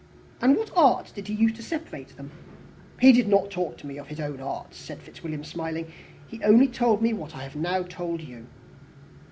"And what arts did he use to separate them?" "He did not talk to me of his own arts," said Fitzwilliam, smiling. "He only told me what I have now told you."